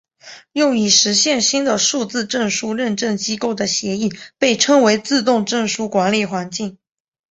用以实现新的数字证书认证机构的协议被称为自动证书管理环境。